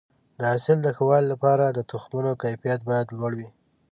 د حاصل د ښه والي لپاره د تخمونو کیفیت باید لوړ وي.